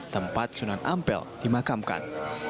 tempat sunan ampel dimakamkan